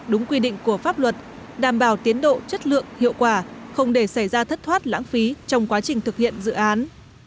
đúng quy định của pháp luật đảm bảo tiến độ chất lượng hiệu quả không để xảy ra thất thoát lãng phí trong quá trình thực hiện dự án